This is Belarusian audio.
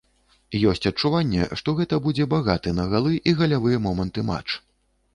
Ёсць адчуванне, што гэта будзе багаты на галы і галявыя моманты матч.